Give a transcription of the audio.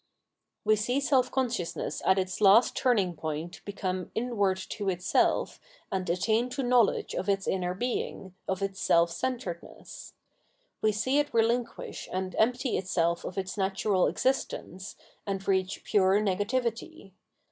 We see self consciousness at its last turning point become inward to itself and attain to knowledge of its inner being, of its self centredness. We see it relinquish and empty itself of its natural existence, and reach pture negativity.